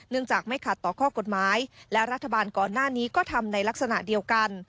จากไม่ขัดต่อข้อกฎหมายและรัฐบาลก่อนหน้านี้ก็ทำในลักษณะเดียวกัน